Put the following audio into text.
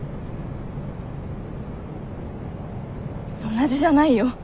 同じじゃないよ。